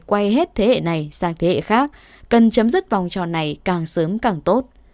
vòng tròn này quay hết thế hệ này sang thế hệ khác cần chấm dứt vòng tròn này càng sớm càng tốt